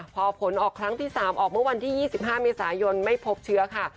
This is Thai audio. พอผลออกครั้งที่๓ออกเมื่อวันที่๒๕เมษายนไม่พบเชื้อค่ะ